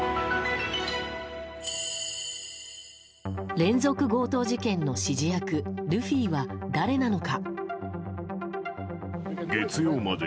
連続強盗事件の指示役ルフィは誰なのか。